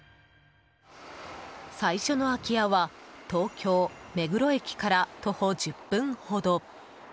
最初の空き家は東京・目黒駅から徒歩１０分ほど。